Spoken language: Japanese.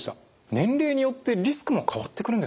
年齢によってリスクも変わってくるんですね。